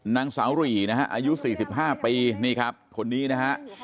นางสาวหรี่นะฮะอายุ๔๕ปีนี่ครับคนนี้นะฮะ